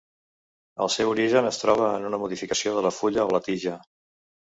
El seu origen es troba en una modificació de la fulla o la tija.